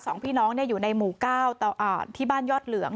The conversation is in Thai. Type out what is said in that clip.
สองพี่น้องอยู่ในหมู่เก้าอ่าที่บ้านยอดเหลือง